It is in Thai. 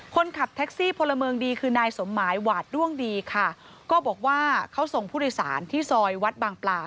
คนขับแท็กซี่พลเมืองดีคือนายสมหมายหวาดด้วงดีค่ะก็บอกว่าเขาส่งผู้โดยสารที่ซอยวัดบางปลา